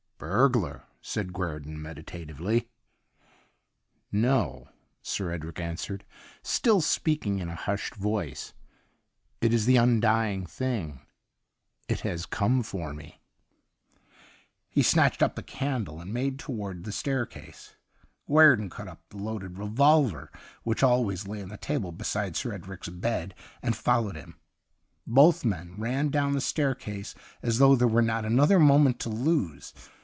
* Burglar,' said Guerdon medita tively. ' No,' Sir Edric answered, still speaking in a hushed voice. ' It is the Undying Thing — it has come for me.' He snatched up the candle, and made towards the staircase ; Guer don caught up the loaded revolver which always lay on the table beside Sir Edric' s bed and followed him. 162 THE UNDYING THING Both men ran down the staircase as though there were not another moment to lose.